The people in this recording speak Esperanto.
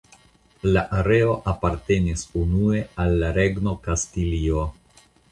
La areo apartenis unue al la Regno Kastilio.